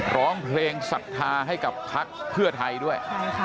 ร้องเพลงศรัทธาให้กับพักเพื่อไทยด้วย